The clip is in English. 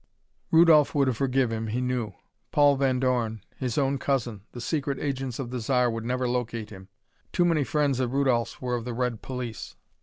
Rudolph would forgive him, he knew. Paul Van Dorn his own cousin the secret agents of the Zar would never locate him! Too many friends of Rudolph's were of the red police.